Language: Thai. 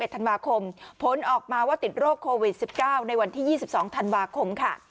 ธันวาคมผลออกมาว่าติดโรคโควิด๑๙ในวันที่๒๒ธันวาคมค่ะ